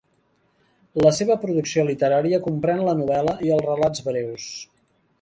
La seva producció literària comprèn la novel·la i els relats breus.